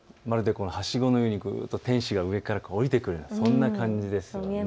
まるではしごのように天使が上から降りてくる、そんな感じです。